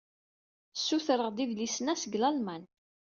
Ssutreɣ-d idlisen-a seg Lalman.